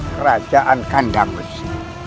kerajaan kandang besi